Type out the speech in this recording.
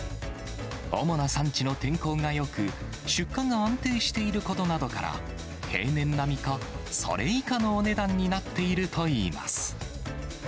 おもな産地の天候がよく、出荷が安定していることなどから、平年並みか、それ以下のお値段になっているといいます。